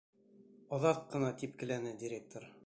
Оҙаҡ ҡына типкеләне директор.